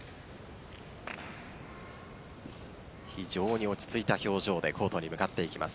非常に落ち着いた表情でコートに向かっていきます